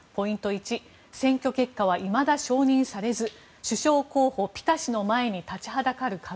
１選挙結果はいまだ承認されず首相候補ピタ氏の前に立ちはだかる壁。